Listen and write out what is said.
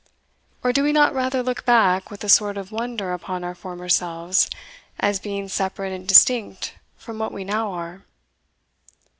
or do we not rather look back with a sort of wonder upon our former selves, as being separate and distinct from what we now are?